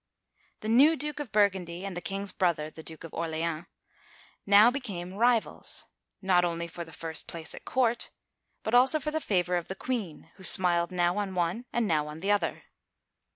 The new Duke of Burgundy and the king's brother — the Duke of Orleans — now became rivals, not only for the first place at court, but also for the favor of the queen, who smiled now on one and now on the other.